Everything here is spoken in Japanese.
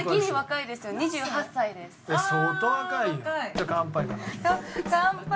じゃあ乾杯乾杯。